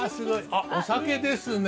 あっお酒ですね。